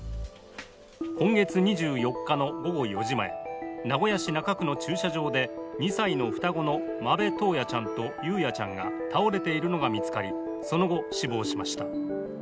今月２４日の午後４時前、名古屋市中区の駐車場で２歳の双子の間部登也ちゃんと雄也ちゃんが倒れているのが見つかり、その後、死亡しました。